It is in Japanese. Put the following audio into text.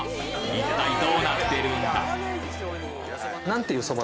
一体どうなってるんだ？